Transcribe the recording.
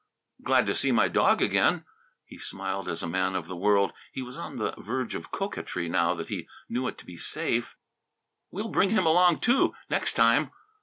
"Glad to see my dog again." He smiled as a man of the world. He was on the verge of coquetry, now that he knew it to be safe. "We'll bring him along too, next time."